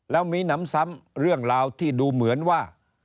แล้วมีหนำซ้ำเรื่องราวที่ดูเหมือนว่า